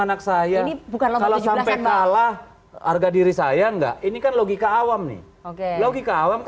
anak saya bukan kalau sampai kalah harga diri saya enggak ini kan logika awam nih oke logika awam